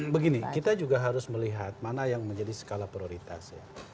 begini kita juga harus melihat mana yang menjadi skala prioritas